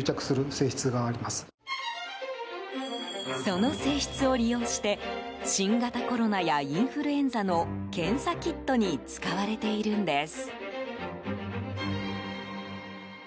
その性質を利用して新型コロナやインフルエンザの検査キットに使われているんです。